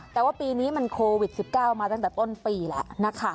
แต่ว่าปีนี้มันโควิด๑๙มาตั้งแต่ต้นปีแล้วนะคะ